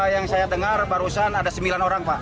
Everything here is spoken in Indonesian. yang saya dengar barusan ada sembilan orang pak